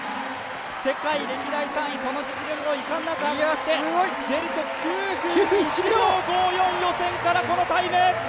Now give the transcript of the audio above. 世界歴代３位、その実力をいかんなく発揮してジェルト９分１秒５４、予選からこのタイム！